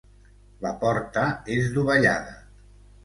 La porta és dovellada.